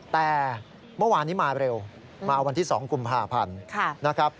แต่เมื่อวานนี้มาเร็วมาวันที่๒กุมภาพันธ์นะครับ